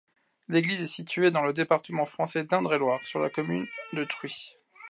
L'église est située dans le département français d'Indre-et-Loire, sur la commune de Truyes.